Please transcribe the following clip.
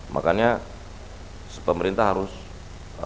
makanya se pemerintah harus apa